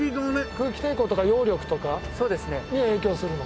空気抵抗とか揚力とかに影響するの？